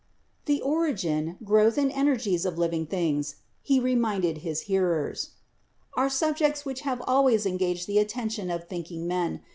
"The origin, growth and energies of living things," he reminded his hearers, "are subjects which have always en gaged the attention of thinking men.